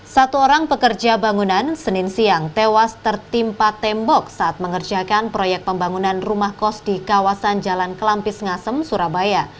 satu orang pekerja bangunan senin siang tewas tertimpa tembok saat mengerjakan proyek pembangunan rumah kos di kawasan jalan kelampis ngasem surabaya